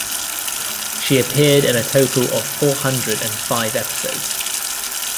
She appeared in a total of four hundred and five episodes.